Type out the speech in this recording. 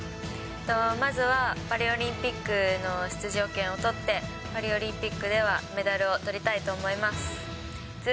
まずはパリオリンピックの出場権を取って、パリオリンピックではメダルをとりたいと思います。